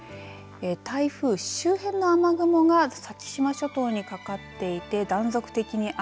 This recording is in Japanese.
台風周辺の雨雲が先島諸島にかかっていて断続的に雨。